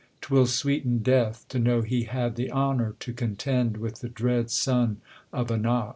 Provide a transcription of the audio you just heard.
'Twill sweeten death, To know he had the honor to contend With the dread son of Anak.